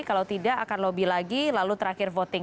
kalau tidak akan lobby lagi lalu terakhir voting